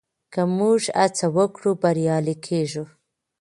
که موږ هڅه وکړو بریالي کېږو.